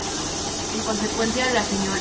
En consecuencia, la Sra.